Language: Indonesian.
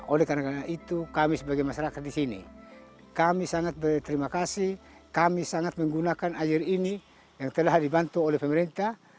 oleh karena itu kami sebagai masyarakat di sini kami sangat berterima kasih kami sangat menggunakan air ini yang telah dibantu oleh pemerintah